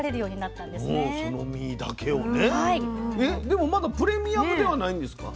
でもまだプレミアムではないんですか？